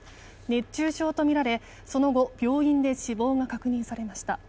熱中症とみられ、その後、病院で死亡が確認されました。